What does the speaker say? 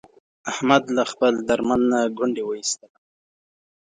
احمد له خپل درمند نه ګونډی و ایستلا.